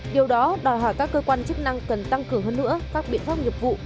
điều đó đòi hỏi các cơ quan chức năng cần tăng cử hơn nữa các biện pháp nhập vụ